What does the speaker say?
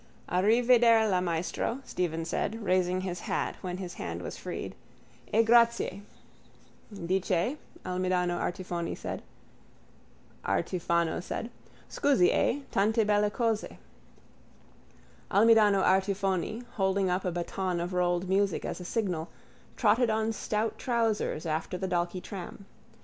_ —Arrivederla, maestro, Stephen said, raising his hat when his hand was freed. E grazie. —Di che? Almidano Artifoni said. Scusi, eh? Tante belle cose! Almidano Artifoni, holding up a baton of rolled music as a signal, trotted on stout trousers after the Dalkey tram.